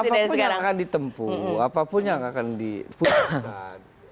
apapun yang akan ditempu apapun yang akan diputuskan